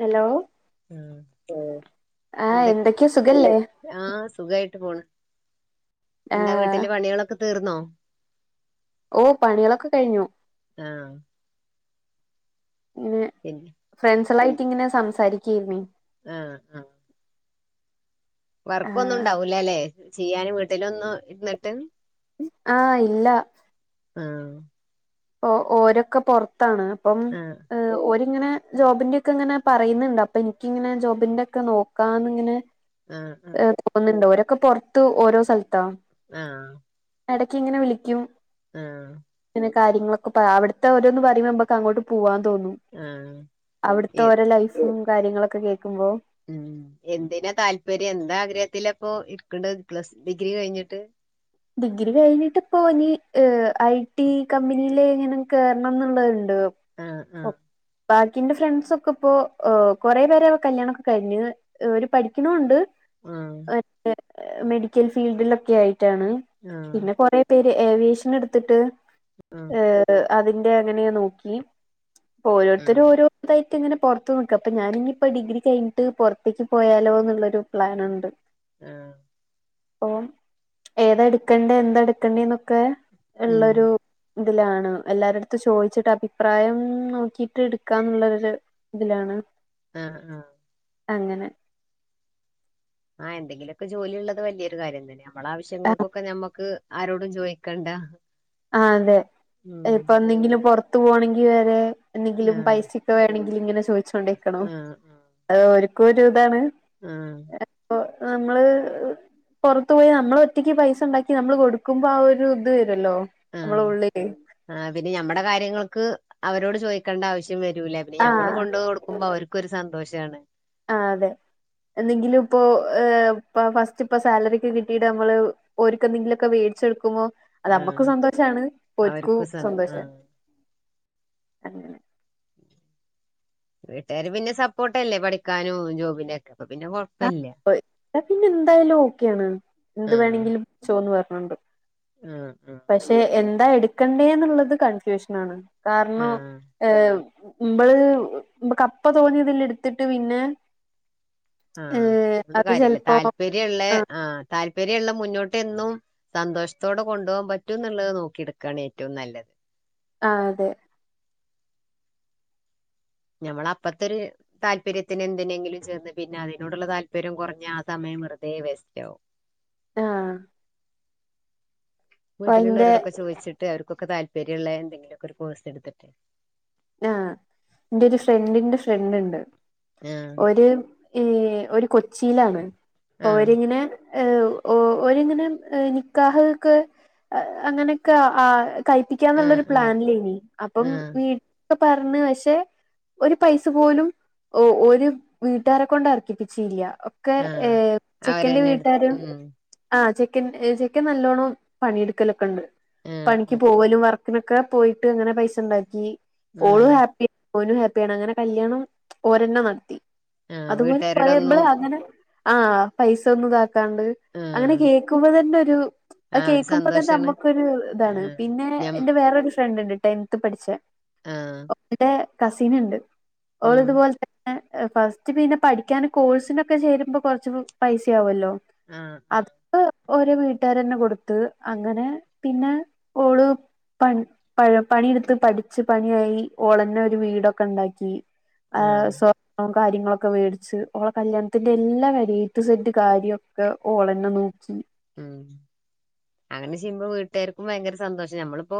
Hello ആഹ് ഉം ആഹ് എന്ത എന്തൊക്കെയാ സുഖല്ലേ ആഹ് സുഖായിട്ട് പോണ് ന്താ ആഹ് വീട്ടില് പണികളൊക്കെ തീർന്നോ ഓ പണികളൊക്കെ കഴിഞ്ഞു. ആഹ് പിന്നെ പിന്നെ ഫ്രണ്ട്സളായിട്ടിങ്ങനെ സംസാരിക്കേര്ന്നേ ആഹ് അഹ് ആഹ് വർക്കൊന്നുംണ്ടാവൂലല്ലേ ചെയ്യാന് വീട്ടിലൊന്നും ഇര്ന്നിട്ട് ആഹ് ഇല്ല ആഹ് ഒ ഓരൊക്കെ പൊർത്താണ് അപ്പം ആഹ് ഓര്ങ്ങനെ ജോബിന്റെക്കെങ്ങനെ പറയ്ന്ന്ണ്ട്. അപ്പൻക്കിങ്ങനെ ജോബിന്റക്കെ നോക്കാന്ന്ങ്ങനെ ആഹ് ഉം ഒന്നണ്ടോ രൊക്കെ പുറത്ത് ഓരോ സ്ഥലത്താ ആഹ് എടക്കിങ്ങനെ വിളിക്കും ആഹ് ഇങ്ങനെ കാര്യങ്ങളൊക്കെ പ അവിട്ത്ത ഓരോന്ന് പറയുമ്പോ ഞമ്മക്കങ്ങോട്ട് പോവാൻ തോന്നും. ആഹ് അവിടുത്തെ എ ഓരോ ലൈഫ് ഉം കാര്യങ്ങളൊക്കെ കേക്കുമ്പോ ഉം എന്തിനാ താല്പര്യം എന്താ ആഗ്രഹത്തിലാപ്പൊ ഇക്കണ് പ്ലസ് ഡിഗ്രി കഴിഞ്ഞിട്ട്- ഡിഗ്രി കഴിഞ്ഞിട്ടിപ്പോ ഇനി ഐ ടി കമ്പനിയില് ഇങ്ങനെ- കേറണം ആഹ് ആഹ് എന്നുള്ളത്ണ്ട്- ബാക്കിന്റെ ഫ്രണ്ട്സൊക്കെ ഇപ്പോ കൊറെ പേരെ കല്യാണൊക്കെ കഴിഞ്ഞ് - ഒര് പഠിക്കണുണ്ട്- ആഹ് മറ്റേ മെഡിക്കൽ ഫീൽഡിലൊക്കെ ആയിട്ടാണ് ആഹ് പിന്നെ കൊറ പേര് ഏവിയേഷൻ എടുത്തിട്ട് ആഹ് ഏഹ് - ഏഹ് അതിന്റെ അങ്ങനെ നോക്കി ഓരോരുത്തരും ആഹ് ഓരോ- ഇതായിട്ട്ങ്ങനെ പുറത്ത് നോക്കുക അപ്പൊ ഞാനിനി ഇപ്പോ ഡിഗ്രി കഴിഞ്ഞിട്ട് പുറത്തേക്ക് പോയാലോ എന്നുള്ളൊരു പ്ലാനുണ്ട് ആഹ് അപ്പൊ ഏതെടുക്കണ്ടേ എന്തെടുക്കണ്ടേ എന്നൊക്കെ ഉം ഉള്ളൊരു ഇതിലാണ് എല്ലാരരുടുത്തു ചോദിച്ചിട്ട് അഭിപ്രായം നോക്കിട്ട് എടുക്കാംന്നുള്ളരു- ഇതിലാണ് ആഹ് ആഹ് അങ്ങനെ ആഹ് എന്തെങ്കിലൊക്കെ ജോലി ഉള്ളത് വലിയൊരു കാര്യം തന്നെ നമ്മളുടെ ആഹ് ആവശ്യങ്ങൾക്കൊക്കെ നമ്മുക്ക് ആരോടും ചോയിക്കണ്ട ആഹ് അതെ ഇപ്പൊ എന്തെങ്കിലും പുറത്ത് പോണമെങ്കിൽ വേറെ എന്തെങ്കിലും ആഹ് പൈസ വേണെങ്കിൽ ഇങ്ങനെ ചോദിച്ചോണ്ടിരിക്കണോ ആഹ് അത ഓരുക്കും ഒരു ഇതാണ്- ആഹ് - എപ്പൊ നമ്മള് ഹ് പോറത്തു പോയി നമ്മള് ഒറ്റയ്ക്ക് പൈസ ഉണ്ടാക്കി നമ്മള് കൊടുക്കുമ്പോ ആഹ് ഒരു ഇത് വരുല്ലോ നമ്മള ആഹ് ഉള്ളിലേക്ക് - ആഹ് പിന്നെ മ്മടെ കാര്യങ്ങൾക്ക് അവരോട് ചോദിക്കേണ്ട ആവശ്യം വരൂല്ല പിന്നെ മ്മൾ ആഹ് കൊണ്ട്ടു.. ക്കുമ്പോ അവർകൊരു സന്തോഷണ്. ആഹ് അതെ എന്തേങ്കിലും ഇപ്പോ ഹ് പ്പ ഫസ്റ്റ് ഇപ്പസാലറിക്കെ കിട്ടിട്ട് നമ്മള്. ഓര്ക്കെന്തെങ്കിലുക്കെ വേടിച്ചെടുക്കുമൊ. അത്അമക്ക് ആഹ് സന്തോഷാണ് ഒര്ക് അവർക്കും സ സന്തോഷ ആഹ് അ വീട്ടെര് പിന്നെ സപ്പോർട്ട്ല്ലേ പഠിക്കാനും ജോബിന്റക്കെ അപ്പ പിന്നെ കൊ.. പിന്നെ എന്തായാലും ഓക്കെണ് എന്ത് ആഹ് വേണെങ്കിലും പചോന്ന് പറഞ്ഞോണ്ട്. ആഹ് ആഹ്- പഷെ എന്താ എടുക്കണ്ടേന്നുള്ളത് കൺഫ്യൂഷനാണ് കാരണം- ആഹ് ഹേ മ്മ്ള് മ്മ്ക്കപ്പ തോന്നിതില്ടുത്തിട്ട് പിന്നെ. ആഹ് ഏഹ് അത് ന്ന്ട്ട്കാര്യല്ല ചെലപ്പോ താല്പര്യള്ള ആഹ് താല്പര്യള്ള മുന്നോട്ടെന്നും. സന്തോഷ്ത്തോടെ കൊണ്ടുവാൻ പറ്റും ന്നുള്ളത് നോക്കിടുക്വാണ് ഏറ്റവും നല്ലത്. ആഹ് അതെ. ഞമ്മള അപ്പത്തെര്. താല്പര്യത്തിന് എന്തിനെങ്കിലും ചേർന്ന് പിന്നെ അതിനോടുള്ള താല്പര്യം കുറഞ്ഞ ആ സമയം വെറുതെ വേസ്റ്റാവും. ആഹ് - എന്റെ വീട്ടിലുള്ളവരടൊക്കെ ചോയിചിട്ട് അവർകൊക്കെ താല്പര്യള്ള എന്തെങ്കിലുക്കെ ഒരു കോഴ്സ് എടുത്തിട്ട്. ആഹ് എന്റെ ഒരു ഫ്രണ്ടിന്റെ ഫ്രണ്ട്ണ്ട് ആഹ് ഓര്. ഏയ് ഓരു കൊച്ചിയിലാണ് ആഹ് അപ്പൊവരിങ്ങനെ. ഏഹ് ഓ ഒരിങ്ങനെ നിക്കാഹ് ഒക്കെ അങ്ങനെയൊക്കെ ആഹ്. ആഹ് കഴപ്പിക്കാന്നുള്ളൊരു ആഹ് പ്ലാനിലേനി അപ്പം ആഹ് വീട്ട് പറഞ്ഞ് പഷെ. ഒരു പൈസ പോലും ഓരു വീട്ടാരെ കൊണ്ട്ർക്കിപ്പിച്ചില്ല. ക്കെ ആഹ് ഏമ് ചെക്കന്റെ അവരെന്നെ എടു വീട്ടരും. ഉം ആഹ് ചെക്കൻ ചെക്കൻ നല്ലോണം പണിയെടുക്കലൊക്കെണ്ട് ആഹ് പണിക്ക് ആഹ് പോവലും വർ.. കിനൊക്കെ പോയിട്ട് അങ്ങനെ പൈസ ണ്ടാക്കി ഓളു ആഹ് ഹാപ്പി.. ഓനും ഹാപ്പിയാണ് അങ്ങനെ കല്യാണം ഓരന്നെ നടത്തി ആഹ് അതുപോലെ പറയ്മ്പ്ൾ വീട്ടുകാരോടൊന്നും അങ്ങനെ.. ആഹ് പൈസ ഒന്നും ഇതാക്കാണ്ട് അങ്ങനെ ആഹ് കേക്കുമ്പോ തന്നെ ഒരു. ആ ഒരു കേൾക്കുമ്പോ തന്നെ സന്തോഷാണ് നമ്മോക്കോരു ഇതാണ് ആഹ് പിന്നെ ഞം എന്റെ വേറോരു ഫ്രണ്ട് ഇണ്ട് ടെൻത്തി പഠിച്ച. ആഹ് ത്തെ കസിൻ ഉണ്ട് ഉം ഓള്തുപോൽ. ന്നെ ഫസ്റ്റ് പിന്നെ പഠിക്കൻ കോഴ്സിനൊക്കെ ചേരുമ്പോ കൊറച്ച് പൈസയാവൊല്ലോ.. ആഹ. അത്ക് ഓര വീട്ടുരന്നെ കൊടുത്ത് അങ്ങനെ പിന്നെ ഓള് പണ് വഴം പണിയിടുത്ത് പഠച്ച്. പണിയായി ഓളന്നെ ഒരു വീടൊക്കെ ഉണ്ടാക്കി ആഹ് സ്വ ർണ്ണം കാര്യങ്ങളൊക്കെ വേടിച്ച് ഓളെ കല്യാണത്തിന്റെ എല്ലാ കാര്യവും എയി റ്റു ഇസഡ് കാര്യം ഒക്കെ ഓളന്നെ നോക്കി ഉം അങ്ങനെ ചെയ്മ്പോ വീട്ടുർക്കും ഭയങ്കര സന്തോഷ നമ്മളിപ്പോ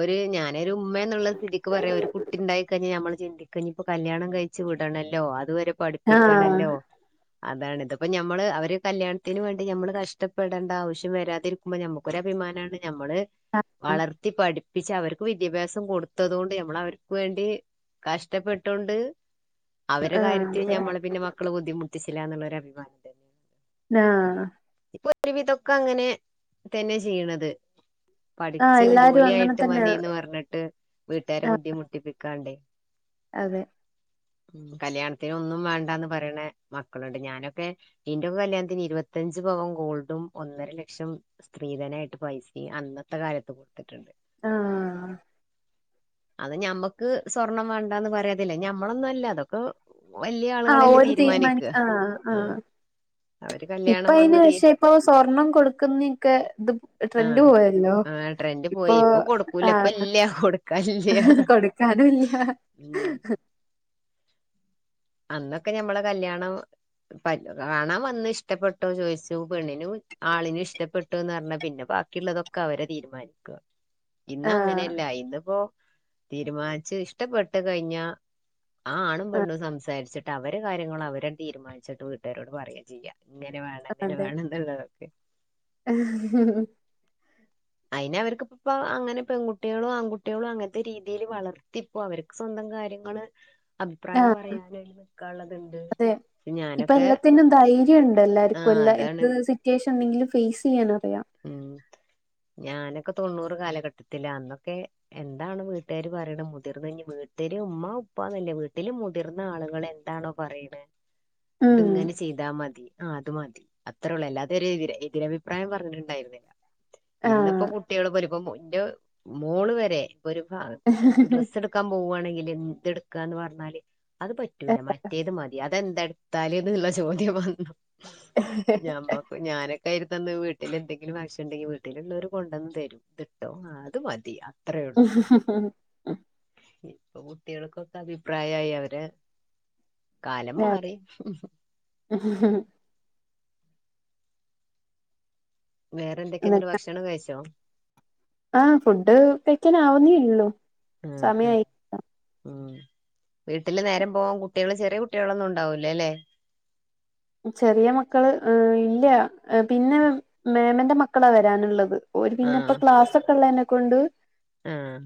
ഒരു ഞാനൊരു ഉമ്മന്നുള്ള സ്ഥിതി ക് പറയാം ഒരു കുട്ടിണ്ടായി കഴിഞ് നമ്മൾ ചിന്തികാ ഇപ്പോ കല്യാണം കഴിച്ച് വിടണല്ലോ അതുവരെ പഠിപ്പിക്കണല്ലോ ആഹ് അതാണ് ഇതിപ്പോ ഞമ്മള് അവര് കല്യാണത്തിന് വേണ്ടി നമ്മള് കഷ് ഷ്ടപ്പെടേണ്ട ആവശ്യം വരാതിരിക്കുമ്പോൾ നമുക്കൊരു അഭിമാനണ് നമ്മള് ആഹ് വളർത്തി പഠി പ്പിച് അവർക്ക് വിദ്യാഭ്യാസം കൊടുത്തതൊണ്ട് നമ്മളവർക്ക് വേണ്ടി കഷ്ടപ്പെട്ടൊണ്ട്.. അവരെ ആഹ് കാര്യത്തിന് അതെ ഞമ്മള് പിന്നെ മക്കള് ബുദ്ധിമുട്ടിവ്വില്ലന്നുള്ളൊരു അഭിമാനം തന്നെ ആഹ് ഇപ്പൊ ഒരുവിതൊക്കെ അങ്ങനെ തന്നെ ചെയ്യ്ണത്.. ആഹ് പഠിച്ച് എല്ലാരും അങ്ങനെ ജോലിയയിട്ട് തന്നെ മതിന്ന് പറഞ്ഞിട്ട് വീട്ടരെ ആഹ് ബുദ്ധിമുട്ടിപ്പിക്കാണ്ടേ അതെ ഉം കല്യാണത്തിന് ഒന്നും വേണ്ടന്ന് പറയണ മക്കളുണ്ട് ഞാനൊക്കെ ഇന്റെ കല്യാത്തിന് ഇരുപത്തഞ്ച് പാവൻ ഗോൾഡും ഒന്നര ലക്ഷം സ്ത്രീധനായിട്ട് പൈസയും അന്നത്തെ കാലത്ത് കൊടുത്തിട്ടുണ്ട് ആഹ് അത് ഞമ്മക്ക് സ്വർണം വേണ്ടന്ന് പറയാത്തില്ല ഞമ്മളൊന്നും അല്ല അതൊക്കെ വലിയ ആഹ് ആളുകളല്ലേ ഓര് തീരുമാനിക്കുക തീരുമാനിക്ക ആഹ് അവര് ഇപ്പ കല്യാണം വന്ന അയിന് തീ പക്ഷെ ഇപ്പൊ സ്വർണം കൊടുക്കുന്ന ക്കെ ഇത് ആ ട്രെൻഡ് പോയല്ലോ ആ ട്രെൻഡ് ഇപ്പൊ പോയി കൊടുക്കൂല ഇപ്പ ആഹ് ഇല്ല കൊടുക്കാനില്ല ആഹ് കൊടുക്കാനും ഇല്ല ഉം അന്നൊക്കെ ഞമ്മളെ കല്യാണം പല്ല കാണാൻ വന്ന് ഇഷ്ടപ്പെട്ടോ ചോദിച്ചു പെണ്ണിനും ആളിനും ഇഷ്ടപ്പെട്ടുന്ന് പറഞ്ഞാ പിന്നെ ബാക്ക ള്ളതൊക്കെ അവര തീരുമാനിക്കുക ഇന്ന് ആഹ് അങ്ങനെയല്ല ഇന്നിപ്പോ തീരുമാനിച്ചു ഇഷ്ടപ്പെട്ട് കഴിഞ്ഞ ആഹ് ആണും പെണ്ണും സംസാരിച്ചിട്ട് അവര് കാര്യങ്ങൾ അവരെ തീരുമാനിച്ചിട്ട് വീട്ടുകാരോട് പറയ ചെയ്യാ ഇങ്ങനെ വേണം ഇങ്ങനെ വേണം എന്നുള്ളതൊക്കെ ആ അയിന് അവർക്കിപ്പം ഇപ്പം അങ്ങനെ പെൺകുട്ടികളും ആൺകുട്ടികളും അങ്ങനത്തെ രീതിയിൽ വളർത്തി അപ്പൊ അവർക്ക് സ്വന്തം കാര്യങ്ങള് അഭിപ്രായം ആഹ് പറയാനായി നിൽക്കാനുള്ളത്ണ്ട് അതെ ഇപ്പൊ എല്ലാത്തിനും ധൈര്യം ഉണ്ട് ആ എല്ലാർക്കും എല്ലാ അതാണ് എന്ത് സിറ്റുവേഷൻ ഉണ്ടെങ്കിലും ഫേസ് ചെയ്യാൻ അറിയാം ഉം ഞാനൊക്കെ തൊണ്ണൂറ് കാലഘട്ടത്തി അന്നൊക്കെ എന്താണ് വീട്ടുകാര് പറയണത് മുതിർന്ന വീട്ടുകാര് ഉമ്മ് ഉപ്പന്നല്ലേ വീട്ടിൽ മുതിർന്ന ആളുകൾ എ ന്താണോ പറയുന്നത് ഇത് ഉം ഇങ്ങനെ ചെയ്താൽ മതി ആഹ് അത് മതി അത്രേ ഉള്ള അല്ലാതെ ഒരു എതിരഭിപ്രായം പറഞ്ഞിട്ടു ണ്ടായിരുന്നില്ല ഇന്നിപ്പോ ആഹ് കുട്ടികള് പോലും പ്പോ ഇന്റ മോള് വരെ ഒരു ഡ്രസ്സ് എടുക്കാൻ പോവുയാണെങ്കില് ഇതെടുക്കാന്ന് പറഞ്ഞാല് അത് പറ്റൂല മറ്റേത് മതി അതെന്തെടുത്താല് എന്നുള്ള ചോദ്യം വന്നു ഞമ്മക്ക് ഞാനൊക്കെ ആയിരുന്നു തന്ന് വീട്ടിൽ എന്തെങ്കില വാശി ഉണ്ടെങ്കിൽ വീട്ടിൽ എല്ലര് കൊണ്ടുവന്ന് തരും ഇട്ടോ അത് മതിയ അത്രേള്ളൂ ഇപ്പൊ കുട്ടികൾക്കൊക്കെ അഭിപ്രായമായി അവരെ കാലം മാറി [inaudible] വേറെ എന്തൊക്കെ എന്നിട്ട് ഭക്ഷണം കഴിച്ചോ ആഹ ഫുഡ് കഴിക്കാൻ ആവുന്നേള്ളോ ഉം ഉം സമയയി ഉം വീട്ടില് നേരം പോവാൻ കുട്ടികള് ചെറിയ കുട്ടികളൊന്നും ഉണ്ടാവൂല അല്ലേ ചെറിയ മക്കള്ഹ് ഇല്ല പിന്നെ മേമന്റെ മക്കളാ വരാനുള്ളത് ഒരുപിന്നെപ്പൊ ക്ലാസ് ഒക്കെ ഉള്ളതിനെ കൊണ്ട് ആഹ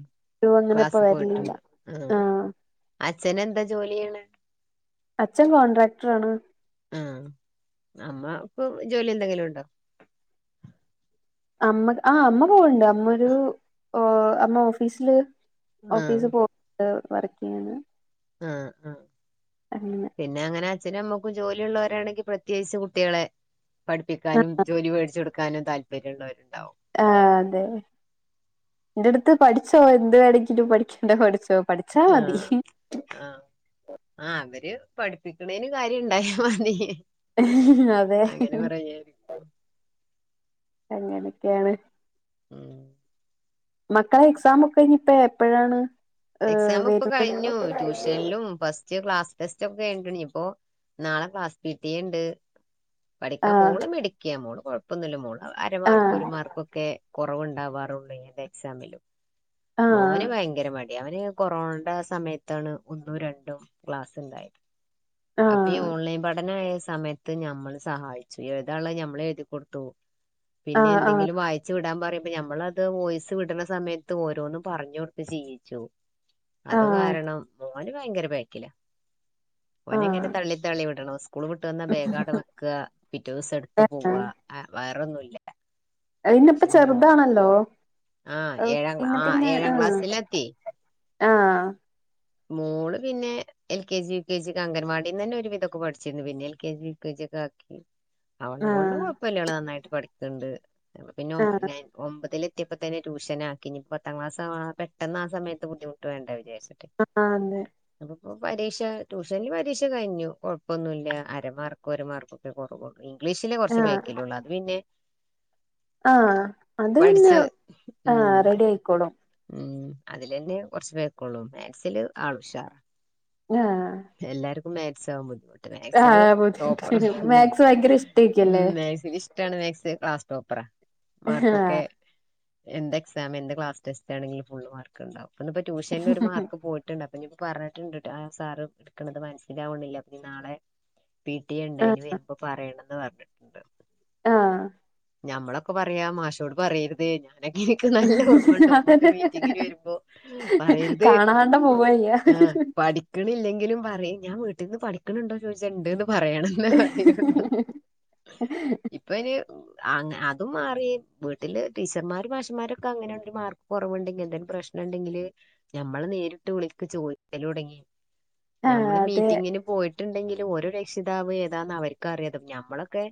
ഒരു അങ്ങനെ ഇപ്പ ക്ലാസ്സ് വരലില്ല പോയിട്ടുണ്ട് ആ ആഹ് അച്ഛന എന്താ ജോലിയാണ് അച്ഛൻ കോൺട്രാക്ടർ ആാണ് ആഹ അമ്മക്ക് ജോലി എന്തെങ്കിലും ഉണ്ടോ അമ്മ ആ അമ്മ പോവണ്ട് അമ്മ ഒരു അമ്മ ഓഫീസില് ആഹ് ഓഫീസ് പോ [unintelligible] വർക്ക് ചെയ്യാണ് ആഹ ആഹ അങ്ങെനെ പിന്നെ അങ്ങനെ അച്ഛും അമ്മക്കും ജോലിയ ഉള്ളവരാണെങ്കിൽ പ്രത്യേകിച്ച് കുട്ടികളെ പഠിപ്പിക്കാനും ജോലി മേടിച്ച കൊടുക്കാനും താല്പര്യമ ഉുള്ളവരുണ്ടാവും ആ് അതെ എന്റെ അടുത്ത് പഠിച്ചോ എന്ത് വേണമെങ്കിലും പഠിക്കേണ്ട പഠിച്ചോ പഠിച്ചാ മതി ആഹ ആഹ ആ അവര് പഠിപ്പിക്കണേന് കാര്യണ്ടായ മതി അതെ അങ്ങനെ പറയായിരിക്കും അങ്ങനൊക്കെയാണ് ഉം മക്കളെ എക്സാമൊക്കെ ഇനിപ്പ എപ്പഴാണ് ഏ എക്സാംപ്പ വരുന്നെ കഴിഞ്ഞു ട്യൂഷനിലും ഫസ്റ്റ് ക്ലാസ് ടെസ്റ്റൊക്കെണ്ട് നിപ്പോ നാളെ ക്ലാസ് പി ട്ടി എണ്ട് ആ പഠിക്കാൻ മോള് മിടുക്കിയാ മോള് കൊഴപ്പൊന്നുല്ല മോള് ആ അരമാർക്ക് ഒര് മാർക്കൊക്കെ കൊ- കൊറവ്ണ്ടാവാറുള്ളൂ ഏത് എക്സാമിലും ആ മോന് ഭയങ്കര മടി യവന് കൊറോണണ്ടായ സമയത്താണ് ഒന്നും രണ്ടും ക്ലാസ്ണ്ടായ ആ ആ അപ്പയീ ഓൺലൈൻ പഠനായ സമയത് നമ്മൾ സഹായിച്ചു എഴുതുള്ളത് നമ്മൾ എഴുതി കൊടുത്തു ആ പിന്നെന്തെങ്കിലും വായി- ച്ച് വിടാൻ പറയുംുമ്പ നമ്മളത് വിടാൻപറയുംബം നമ്മളതു വോയിസ്ട്ണ സമയത്ത് ഓരോന്നും പറഞ്ഞു കൊടുത്ത് ചെയ്യിച്ചു ആ അത് ആ കാരണം മോന് ഭയങ്കര ബേക്കിലാ ആ ഓനങ്ങനെ തള്ളി തള്ളി വിടണം സ്കൂ- സ്കൂൾ വിട്ട് വന്നാ ബേഗാട വെക്കാ പിറ്റേ ദിവസം എടുത്ത് പോവാ വേറൊന്നുല്ലാ അഇന്നപ്പ ചെറുതാണല്ലോ ആഹ് ഏഴാം ക്ലാ- ആ പിന്നെപ്പിന്നെ ഏഴാം ക്ലാസ്സിലെത്തി ആ... ആ മോള് പിന്നെ L K G U K ജിയൊക്കെ അംഗൻവാടീന്നെന്നെ ഒരു വിധൊക്കെ പഠിച്ചിര്ന്ന് പിന്നെ L K G U K ജിയൊക്കെ ആക്കി അവളെ കൊണ്ട് ആഹ് കുഴപ്പല്ല അവള് നന്നായിട്ട് പഠിക്ക്ന്ന്ണ്ട് പിന്നെ ഒംബ ആഹ് - ഒമ്പതിലെത്തിയപ്പോ തന്നെ ട്യൂഷനാക്കി ഇനി പത്താം ക്ലാസാവാണ് പെട്ടെന്ന് ആ സമയത്ത് ബുദ്ധിമുട്ട് വേണ്ടന്ന് വിചാച്ചിട്ട് ആ അതെ അപ്പപ്പോ പരീക്ഷ ട്യൂഷനിൽ പരീക്ഷ കഴിഞ്ഞു കൊഴപ്പൊന്നുല്ല അരമാർക്ക് ഒര് മാർക്ക് കുറവുള്ളു ഇംഗ്ലീഷിലേ കുറച്ച് ആഹ് ബേക്കിലുള്ളൂ അത് പിന്നെ ആ അത് പിന്നാ പഠിച്ച് ആ ഉം റെഡിയായിക്കോളും ഉം അതിലന്നെ കൊറച്ചു ബേക്കൊള്ളൂ മാത്സില് ആൾ ഉഷാറാ ആഹ് എല്ലാര്ക്കും മാക്സ് ആവും ബുദ്ധിമുട്ട് മാത്സില് ആഹ് ടോപ്പറാ ബുദ്ധിമുട്ടില്ല മ്മ് മാത്സ് ഭയങ്കര ഇഷ്ടായിരിക്കല്ലേ മ്മ് മാത്സ [unintelligible] [unintelligible] മാത്സ് ക്ലാസ് ടോപ്പറാ ആഹ് മാർക്കൊക്കെ എന്ത് എക്സാം എന്ത് ക്ലാസ് ടെസ്റ്റാണെങ്കിലും ഫുൾ മാർക്ക്ണ്ടാവും ന്ന്പ്പോ ട്യൂഷനിലൊര് മാർക്ക് പോയി ഇട്ടുണ്ട് അപ്പ ഇനിപ്പൊ പ്പപറഞ്ഞിട്ടുണ്ട് ആ സാറ് എടുക്കണത് മനസ്സിലാവ്ണില്ല അപ്പൊനി നാളെ- പി ട്ടി എ ണ്ട് ആഹ് അയിന് വരുമ്പോ പറയണന്ന് പറഞ്ഞിട്ട്ണ്ട് ആഹ് ഞമ്മളൊക്കെ പറയാ മാഷോട് പറയരുതേ ഞാ- അതെക്കെനിക്ക് നല്ല ഓർമ്മണ്ട് ഉമ്മൊക്കെ അതന്നെ മീറ്റിങ്ങിന് വെരുമ്പോ പറയര്ത് കാണാണ്ട പോവയ്യ ആഹ് പഠിക്ക്ണില്ലെങ്കിലും പറിം ഞാ വീട്ട്ന്ന് പഠിക്ക്ണ് ണ്ടോ ചോയ്ച്ചാ ഇണ്ട്ന്ന് പറയണം ണ്ടെന്നെ പറിയൊള്ളു ഇപ്പയിന് അങ അതും മാറി വീട്ടില് ടീച്ചർമാരും മാശൊമ്മാരൊക്കെ അങ്ങനെണ്ടൊരു മാർക്ക് കൊറവ്ണ്ടെങ്കി എന്തേലും പ്രശ്ന ണ്ടെങ്കില് ഞമ്മള് നേരിട്ട് വിളിക്ക് ചോയ്ക്കലൊട്ങ്ങി ആഹ് ഞമ്മള് അതെ മീറ്റിങ്ങിന് പോയിട്ട്ണ്ടെങ്കില് ഓരോ രക്ഷിതാവും ഏതാന്ന് അവർക്കറിയാ ഞമ്മളൊക്കെ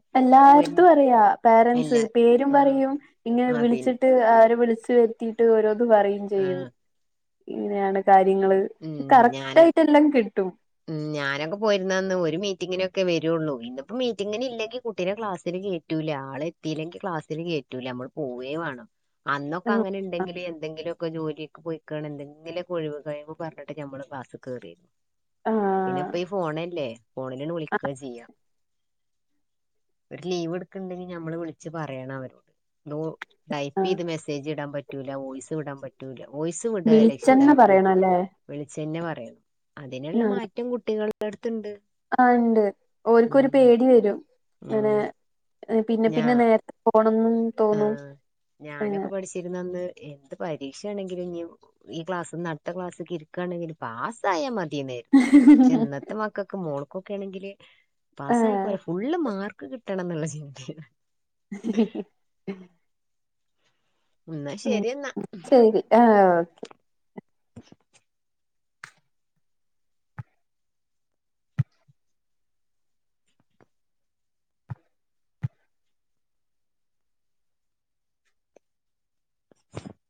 പോയി എല്ലാര്തും അറിയാ അല്ല പേരൻസ് പേരും ആ പറിയും ഇങ്ങെനെ ആ പിന്നെ വിളിച്ചിട്ട് അവരെ വിളിച്ച് വെര് ത്തിയിട്ട് ഓരോന്ന് പറയും ആ ചെയ്യും ഇങ്ങനെയാണ് കാര്യങ്ങള് ഉം ഞാന് കറക്റ്റായിട്ടെല്ലം കിട്ടും ഉം ഞാനൊക്കെ പോയിരുന്നന്ന് ഒര് മീറ്റിങ്ങിനൊക്കെ വെരൊള്ളൂ ഇന്നിപ്പം മീറ്റിങ്ങിനില്ലെങ്കി കുട്ടീനെ ക്ലാസ്സില് കേറ്റു ല്ല ആളെത്തീല്ലെങ്കി ക്ലാസ്സില് കേറ്റൂല്ല ഞമ്മള് പോവേ വാണം അന്നൊക്കെ ആഹ് ആ അങ്ങനെണ്ടെങ്കില് എന്തെങ്കിലൊക്കെ ജോലിക്ക് പോയിക്കാണെങ്കിൽ എന്തെങ്കിലൊക്ക ഒഴിവ് കഴിവ് പർഞ്ഞിട്ട് ഞമ്മള് ക്ലാസ് കേറായ്രുന്നു ആഹ് പിന്നെപ്പയീ ഫോണല്ലേ ഫോണിലാണ്ട് ആഹ് വിളിക്കാ ചെയ്യാ ഒരു ലീവ്ട്ക്ക്ണ്ടെങ്കി ഞമ്മള് വിളിച്ച് പറയണവരോട് [unintelligible] ആഹ് ടൈപ്പെയ്ത് മെസ്സേജിടാൻ പറ്റൂല വോയ്സ് വിടാൻ പറ്റൂല വോയിസ് വിടാ വിളിച്ചെന്ന രക്ഷിതാക്ക പറയണല്ലേ വിളിച്ചെന്നെ പറയണം അതിന്ള്ള ആഹ് മാറ്റം കുട്ടികളട്ത്ത്ണ്ട് ആഹ് ഇണ്ട് ഓല്ക്കൊര് പേടി വെരും ഉം ഇങ്ങനെ പിന്നെ ഞാ പിന്നെ നേര ത്തെ പോണെന്ന് ആഹ് ഞാനൊക്കെ പഠിച്ചിരുന്നന്ന് എന്ത് പരീക്ഷയാണെങ്കിലും ഇഞ്ഞി ഈ ക്ലാസ്ന്ന് അട്ത്തക്ലാസ്ക്ക് ഇരിക്കാണെങ്കിലും പാസ്സായാ മതിന്നേര്ന്നു പക്ഷെ ഇന്നത്തെ മക്കക്ക് മോൾക്കൊക്കയാണെങ്കില് പാസ്റ്റായ ആഹ് പോര ഫുള്ള് മാർ ക്ക് കിട്ടണെന്ന്ള്ള ചിന്തയാണ് എന്നാ മ് ശരി എന്നാ ശെരി ആഹ് ഒക്കെ [inaudible] [inaudible]